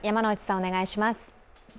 お願いします。